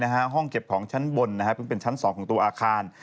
ห้องเก็บของชั้นบนซึ่งเป็นชั้น๒ของตัวอาคาร